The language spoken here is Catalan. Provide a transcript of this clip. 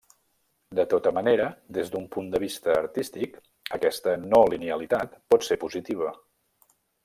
De tota manera, des d'un punt de vista artístic, aquesta no-linealitat pot ser positiva.